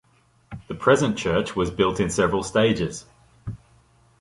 The present church was built in several stages.